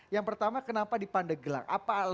yang pertama kenapa dipandegelang